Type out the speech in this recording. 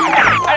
dan dia kabur